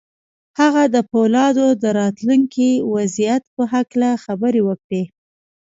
هغه د پولادو د راتلونکي وضعيت په هکله خبرې وکړې.